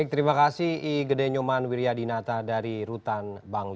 baik terima kasih i gede nyuman wiryadinata dari rutan bangli